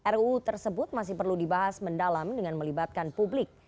ruu tersebut masih perlu dibahas mendalam dengan melibatkan publik